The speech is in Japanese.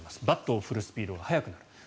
バットを振るスピードが速くなる。